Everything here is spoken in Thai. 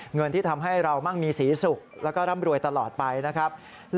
เงินที่ทำให้เรามั่งมีศรีสุขแล้วก็ร่ำรวยตลอดไปนะครับ